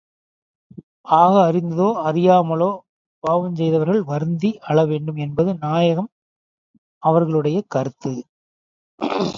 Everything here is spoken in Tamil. ஆக அறிந்தோ, அறியாமலோ பாவஞ் செய்தவர்கள் வருந்தி அழ வேண்டும் என்பது நாயகம் அவர்களுடைய கருத்து.